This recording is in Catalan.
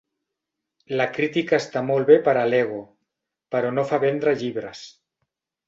La crítica està molt bé per a l'ego, però no fa vendre llibres.